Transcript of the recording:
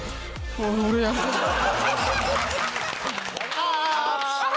ああ。